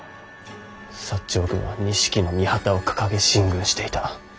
長軍は錦の御旗を掲げ進軍していた。